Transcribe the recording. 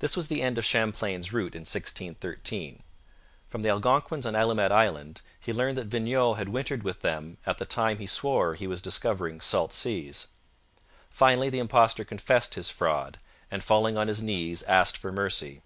This was the end of Champlain's route in 1613. From the Algonquins on Allumette Island he learned that Vignau had wintered with them at the time he swore he was discovering salt seas. Finally, the impostor confessed his fraud and, falling on his knees, asked for mercy.